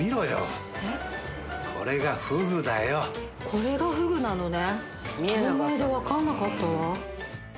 これがフグなのね。